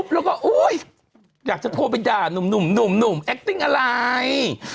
แล้วก็อุ้ยอยากจะโทรไปด่านุ่มนุ่มนุ่มอะไร